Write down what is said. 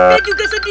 dia juga sedih